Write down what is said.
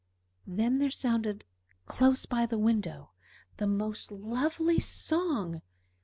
Then there sounded close by the window the most lovely song.